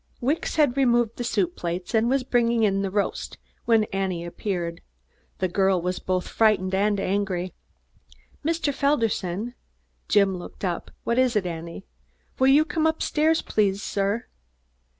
Wicks had removed the soup plates and was bringing in the roast, when Annie appeared. The girl was both frightened and angry. "Mr. Felderson?" Jim looked up. "What is it, Annie?" "Will you come up stairs, please, sir?"